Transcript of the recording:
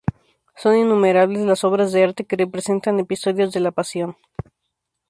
Son innumerables las obras de arte que representan episodios de la Pasión.